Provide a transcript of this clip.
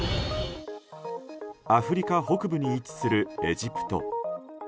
アフリカ北部に位置するエジプト。